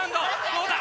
どうだ？